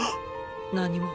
何も。